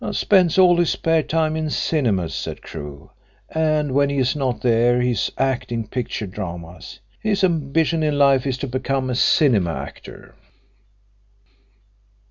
"Spends all his spare time in cinemas," said Crewe, "and when he is not there he is acting picture dramas. His ambition in life is to be a cinema actor."